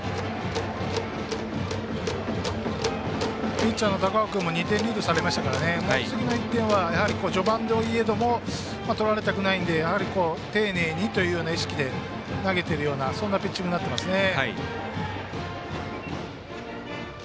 ピッチャーの高尾君も２点リードされましたから次の１点は序盤といえども取られたくないので丁寧にという意識で投げてるようなピッチングになってますね。